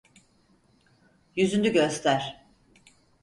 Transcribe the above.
Yüzünü göster.